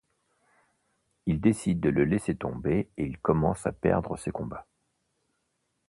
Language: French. Ils décident de le laisser tomber et il commence à perdre ses combats.